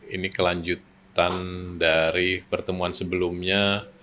ini kelanjutan dari pertemuan sebelumnya